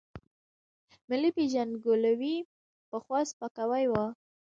ملي پېژندګلوۍ پخوا سپکاوی و.